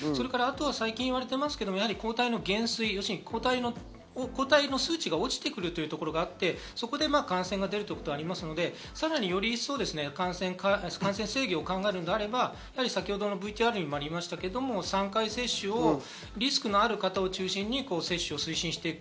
最近いわれてますけど抗体の減衰、抗体の数値が落ちてくるということがあって、そこで感染が出ることがあるのでより一層、感染制御を考えるなら、先ほどのＶＴＲにもありましたが、３回接種をリスクのある方を中心に接種を推進していく。